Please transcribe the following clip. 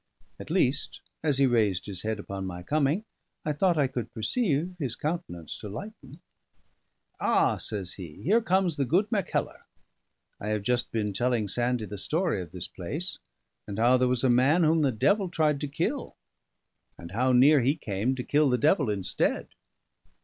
At least, as he raised his head upon my coming, I thought I could perceive his countenance to lighten. "Ah!" says he, "here comes the good Mackellar. I have just been telling Sandie the story of this place, and how there was a man whom the devil tried to kill, and how near he came to kill the devil instead."